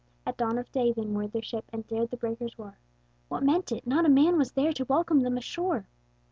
At dawn of day they moored their ship, And dared the breakers' roar: What meant it? not a man was there To welcome them ashore!